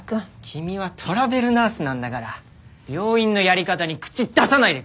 君はトラベルナースなんだから病院のやり方に口出さないでくれ！